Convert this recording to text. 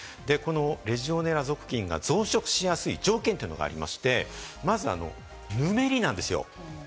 レジオネラ属菌が増殖しやすい条件というのがありまして、まず、ぬめりなんですよ。